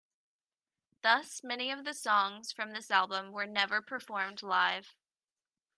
Thus, many of the songs from this album were never performed live.